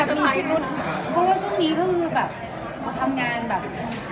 พี่วันนี้ก็คือออกมากก่อนเดี๋ยวต้องกินกลับเข้าไป